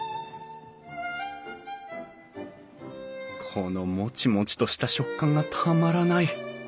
このもちもちとした食感がたまらない！